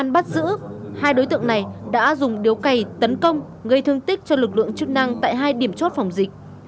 bắt giữ hai đối tượng này đã dùng điếu cày tấn công gây thương tích cho lực lượng chức năng tại hai điểm chốt phòng dịch